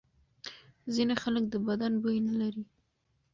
ځینې خلک د بدن بوی نه لري.